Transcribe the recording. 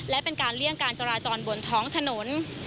และเป็นการเลี่ยงการจราจรบนท้องถนน